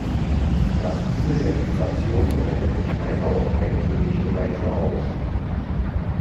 Das Übel der Migration breitet sich weiter auf heimtückische Weise aus.